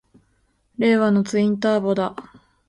令和のツインターボだ！